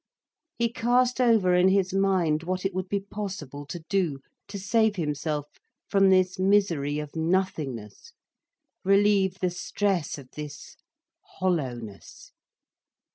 He cast over in his mind, what it would be possible to do, to save himself from this misery of nothingness, relieve the stress of this hollowness.